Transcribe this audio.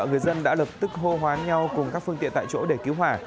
người dân đã lập tức hô hoán nhau cùng các phương tiện tại chỗ để cứu hỏa